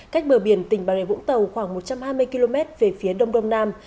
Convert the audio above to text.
cách bờ biển tỉnh bà rệ vũng tàu khoảng một trăm hai mươi km về phía đông đông nam